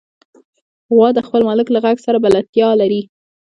غوا د خپل مالک له غږ سره بلدتیا لري.